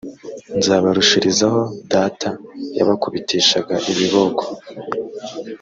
nzabarushirizaho data yabakubitishaga ibiboko